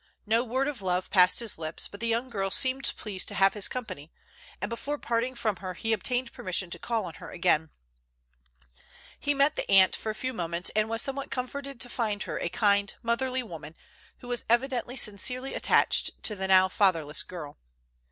No word of love passed his lips, but the young girl seemed pleased to have his company, and before parting from her he obtained permission to call on her again. He met the aunt for a few moments, and was somewhat comforted to find her a kind, motherly woman, who was evidently sincerely attached to the now fatherless girl.